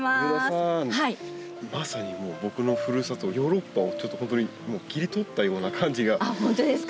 まさに僕のふるさとヨーロッパをちょっと本当に切り取ったような感じが本当ですか。